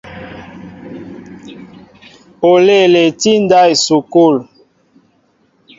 Oléele tí ndáw esukul.